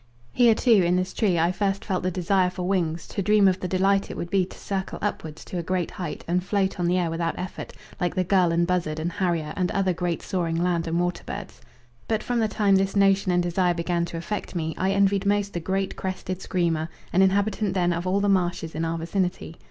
Here, too, in this tree, I first felt the desire for wings, to dream of the delight it would be to circle upwards to a great height and float on the air without effort, like the gull and buzzard and harrier and other great soaring land and water birds. But from the time this notion and desire began to affect me I envied most the great crested screamer, an inhabitant then of all the marshes in our vicinity.